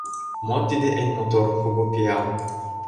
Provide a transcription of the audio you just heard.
Мо тиде эн мотор, кугу пиал?»